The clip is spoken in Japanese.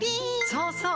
そうそう！